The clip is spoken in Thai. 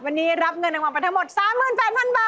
วันนี้รับเงินรางวัลไปทั้งหมด๓๘๐๐๐บาท